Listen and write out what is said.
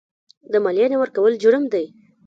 د مالیې نه ورکول جرم دی.